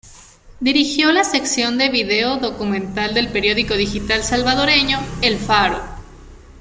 Dirigió la sección de vídeo documental del periódico digital salvadoreño "El Faro.